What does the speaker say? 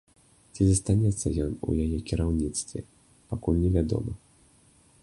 Ці застанецца ён у яе кіраўніцтве, пакуль невядома.